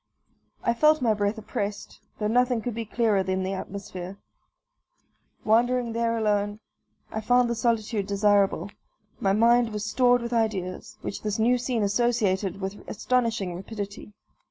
I felt my breath oppressed, though nothing could be clearer than the atmosphere. Wandering there alone, I found the solitude desirable; my mind was stored with ideas, which this new scene associated with astonishing rapidity.